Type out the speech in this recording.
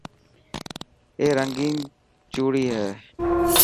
اي رنگين چوڙي هي.